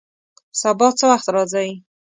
سبا څه وخت راځئ؟